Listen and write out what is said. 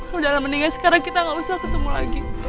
mudah lah mendingan sekarang kita gak usah ketemu lagi